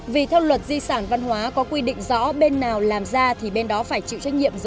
vì theo luật di sản văn hóa có quy định rõ bên nào làm ra thì bên đó phải chịu trách nhiệm